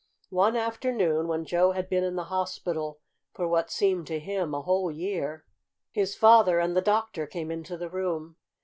One afternoon, when Joe had been in the hospital for what seemed to him a whole year, his father and the doctor came into the room.